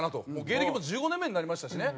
芸歴も１５年目になりましたしね。